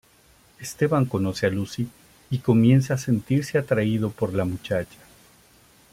Esteban conoce a Lucy y comienza a sentirse atraído por la muchacha.